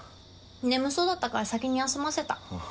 眠そうだったから先に休ませた。